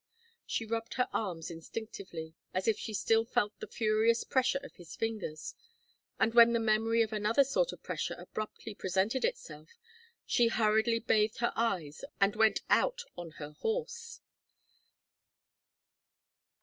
She rubbed her arms instinctively, as if she still felt the furious pressure of his fingers, and when the memory of another sort of pressure abruptly presented itself she hurriedly bathed her eyes and went out on her horse.